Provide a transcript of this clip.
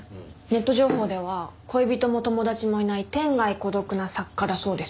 ネット情報では恋人も友達もいない天涯孤独な作家だそうです。